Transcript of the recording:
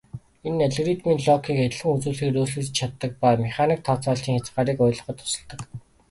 Энэ нь алгоритмын логикийг адилхан үзүүлэхээр өөрчлөгдөж чаддаг ба механик тооцооллын хязгаарыг ойлгоход тусалдаг.